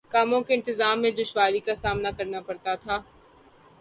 کاموں کے انتظام میں دشواری کا سامنا کرنا پڑتا تھا